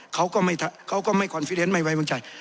เขาก็ไม่คอนฟิตเนสไม่ไว้วางใจ